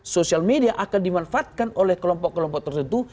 sosial media akan dimanfaatkan oleh kelompok kelompok tertentu